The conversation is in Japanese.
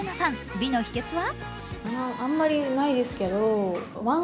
美の秘けつは？